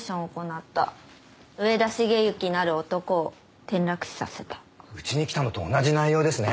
なる男を転落死させた」うちに来たのと同じ内容ですね。